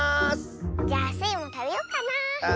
じゃあスイもたべようかなあ。